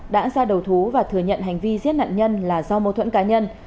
đã ra đầu thú và thừa nhận hành vi giết nạn nhân là do mâu thuẫn cá nhân